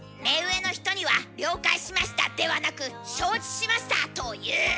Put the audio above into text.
目上の人には「了解しました」ではなく「承知しました」と言う！